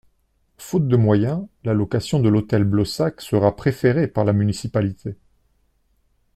Faute de moyens, la location de l’hôtel de Blossac sera préférée par la municipalité.